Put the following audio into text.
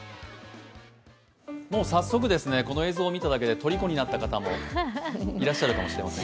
もう早速、この映像を見ただけでとりこになった方ｔもいらっしゃるかもしれません。